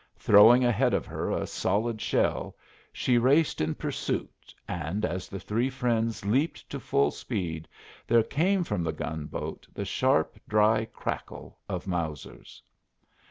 Throwing ahead of her a solid shell, she raced in pursuit, and as The Three Friends leaped to full speed there came from the gun boat the sharp dry crackle of Mausers.